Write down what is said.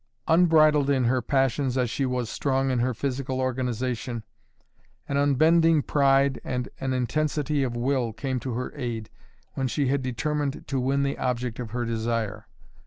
Unbridled in her passions as she was strong in her physical organization, an unbending pride and an intensity of will came to her aid when she had determined to win the object of her desire.